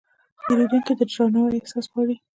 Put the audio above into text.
پیرودونکی د درناوي احساس غواړي.